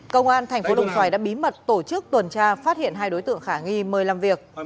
công an thành phố đồng xoài đã bí mật tổ chức tuần tra phát hiện hai đối tượng khả nghi mời làm việc